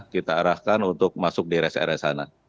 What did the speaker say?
kita arahkan untuk masuk di rest area sana